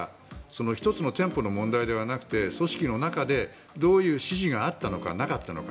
１つの店舗の問題ではなくて組織の中でどういう指示があったのか、なかったのか。